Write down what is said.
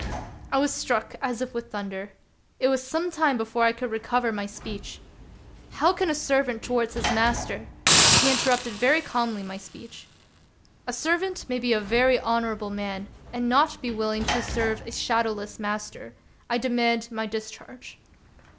I was struck as with thunder. It was some time before I could recover my speech. " How can a servant towards his master" — He inter rupted very calmly my speech :—" A servant may be a very honorable man, and not be willing to serve a shadowless master. I demand my discharge."